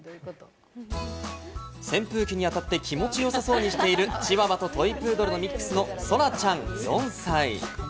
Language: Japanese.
扇風機にあたって気持ち良さそうにしているチワワとトイプードルのミックスの空ちゃん、４歳。